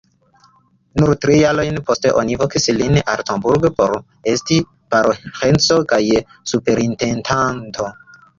Nur tri jarojn poste oni vokis lin al Coburg por esti paroĥestro kaj superintendanto.